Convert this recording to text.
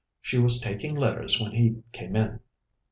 She was taking letters when he came in."